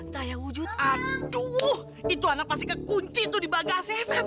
taya wujud aduh itu anak pasti kekunci tuh di bagasnya buka mah